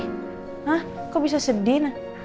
hah kok bisa sedih